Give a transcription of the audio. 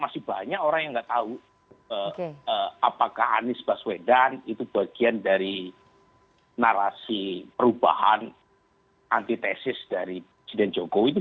masih banyak orang yang gak tahu apakah anies busway dan itu bagian dari narasi perubahan antitesis dari presiden jokowi